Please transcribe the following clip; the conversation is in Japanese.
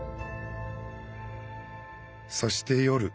そして夜。